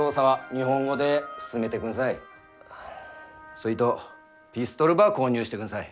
そいとピストルば購入してくんさい。